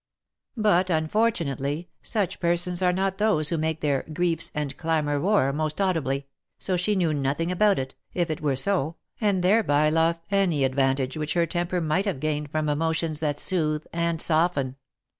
But, unfor tunately such persons are not those who make their " griefs , and clamour roar" most audibly, so she knew nothing about it, if it were so, and thereby lost any advantage which her temper might have gained from emotions that soothe and soften.